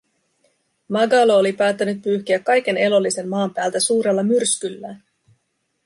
Magalo oli päättänyt pyyhkiä kaiken elollisen maan päältä suurella myrskyllään.